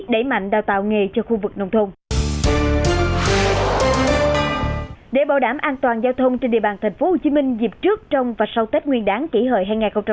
để bảo đảm an toàn giao thông trên địa bàn tp hcm dịp trước trong và sau tết nguyên đáng kỷ hợi hai nghìn một mươi chín